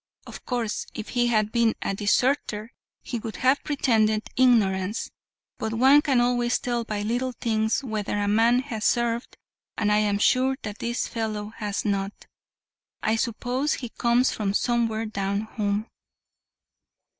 Of course, if he had been a deserter, he would have pretended ignorance, but one can always tell by little things whether a man has served, and I am sure that this fellow has not. I suppose he comes from somewhere down home.